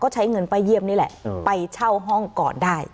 ใช้เงินป้าเยี่ยมนี่แหละไปเช่าห้องก่อนได้